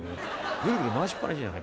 ぐるぐる回しっ放しじゃない。